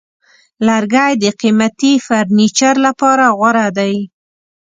لرګی د قیمتي فرنیچر لپاره غوره دی.